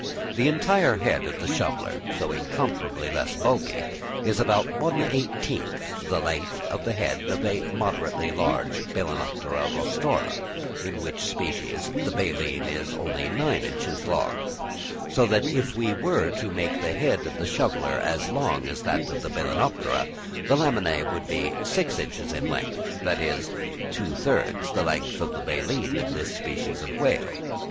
The entire head of the shoveller, though incomparably less bulky, is about one eighteenth of the length of the head of a moderately large Balænoptera rostrata, in which species the baleen is only nine inches long; so that if we were to make the head of the shoveller as long as that of the Balænoptera, the lamellæ would be six inches in length, that is, two thirds of the length of the baleen in this species of whale.